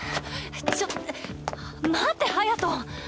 ちょっ待って隼。